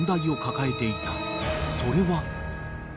［それは］